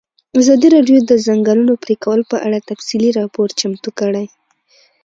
ازادي راډیو د د ځنګلونو پرېکول په اړه تفصیلي راپور چمتو کړی.